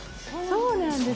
そうなんですよ。